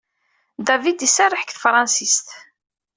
David iserreḥ deg tefṛansist.